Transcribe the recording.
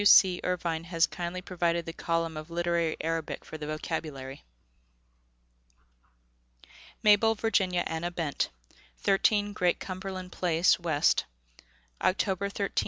W. C. Irvine has kindly provided the column of literary Arabic for the vocabulary. MABEL VIRGINIA ANNA BENT. 13 Great Cumberland Place, W: October 13, 1899.